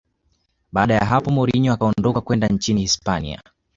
baada ya hapo mourinho akaondoka kwenda nchini hispania